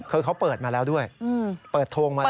คือเขาเปิดมาแล้วด้วยเปิดโทงมาแล้ว